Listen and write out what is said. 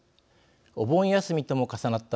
お盆休みとも重なった